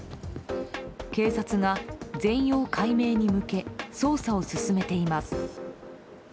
警察が全容解明に向け捜査を進めています。